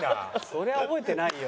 そりゃ覚えてないよ。